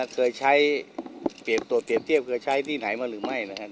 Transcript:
เคยใช้เปรียบตรวจเปรียบเทียบเคยใช้ที่ไหนมาหรือไม่นะครับ